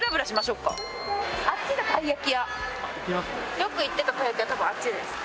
よく行ってたたい焼き屋多分あっちです。